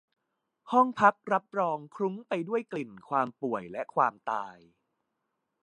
ห้องพักรับรองคลุ้งไปด้วยกลิ่นความป่วยและความตาย